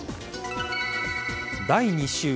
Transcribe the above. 第２週。